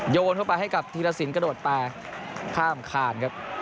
โยนเข้าไปให้กับทีละสินกระโดดไปข้ามขาด